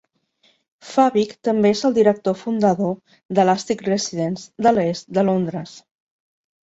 Fabyc també és el director fundador d'Elastic Residence de l'est de Londres.